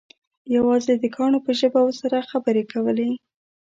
یوازې د کاڼو په ژبه ورسره خبرې کولې.